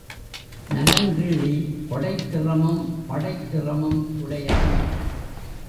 நலங்கிள்ளி கொடைத் திறமும், படைத் திறமும் உடையவன்.